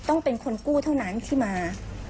ต้องเป็นคนกู้เท่านั้นที่มา